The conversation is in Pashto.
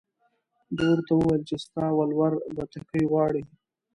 ده ورته وویل چې ستا ولور بتکۍ غواړي.